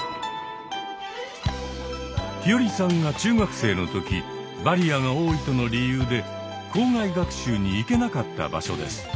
陽葵さんが中学生の時バリアが多いとの理由で校外学習に行けなかった場所です。